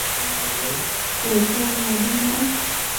Tuổi theo mùa đi mãi